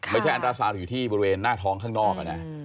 ไม่ใช่อันตราซาวน์อยู่ที่บริเวณหน้าท้องข้างนอก